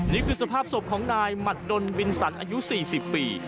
นี่คือสภาพศพของนายหมัดดนบินสันอายุ๔๐ปี